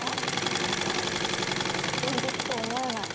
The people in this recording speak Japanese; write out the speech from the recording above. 何か現実と思えない。